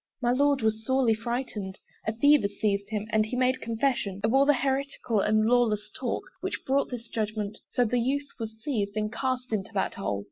My Lord was sorely frightened; A fever seized him, and he made confession Of all the heretical and lawless talk Which brought this judgment: so the youth was seized And cast into that hole.